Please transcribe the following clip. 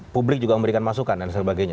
publik juga memberikan masukan dan sebagainya